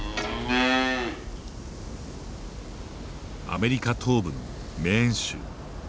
アメリカ東部のメーン州。